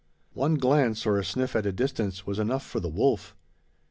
One glance, or a sniff at a distance, was enough for the wolf.